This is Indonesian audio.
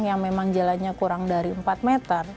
yang memang jalannya kurang dari empat meter